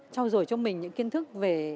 trao dổi cho mình những kiến thức